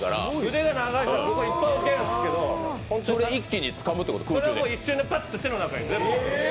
腕が長いからいっぱい置けるんですけど、それを一瞬でパッと手の中に。